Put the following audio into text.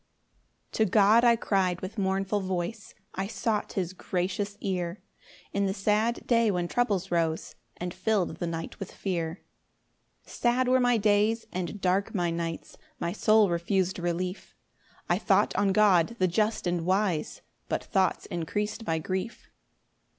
1 To God I cry'd with mournful voice, I sought his gracious ear, In the sad day when troubles rose, And fill'd the night with fear. 2 Sad were my days, and dark my nights, My soul refus'd relief; I thought on God the just and wise, But thoughts increas'd my grief.